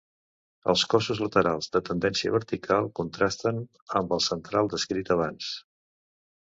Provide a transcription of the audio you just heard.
Els cossos laterals, de tendència vertical, contrasten amb el central, descrit abans.